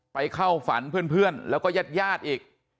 ไปเข้าฝันเพื่อนแล้วก็ยาดอีก